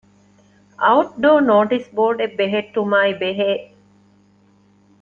އައުޓްޑޯ ނޯޓިސް ބޯޑެއް ބެހެއްޓުމާއި ބެހޭ